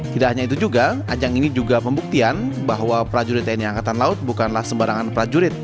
tidak hanya itu juga ajang ini juga pembuktian bahwa prajurit tni angkatan laut bukanlah sembarangan prajurit